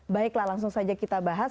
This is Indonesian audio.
baiklah langsung saja kita bahas